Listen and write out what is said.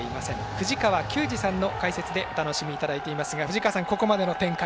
藤川球児さんの解説でお楽しみいただいていますが藤川さん、ここまでの展開